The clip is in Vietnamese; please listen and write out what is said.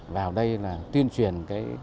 vào đây tuyên truyền